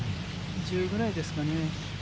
１０ぐらいですかね。